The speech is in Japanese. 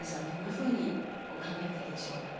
どんなふうに考えたらいいでしょう？